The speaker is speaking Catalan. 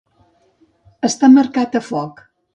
Estar marcat a foc.